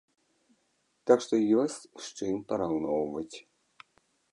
Так што ёсць з чым параўноўваць.